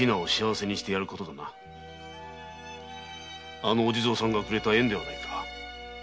あのお地蔵様がくれた縁ではないか。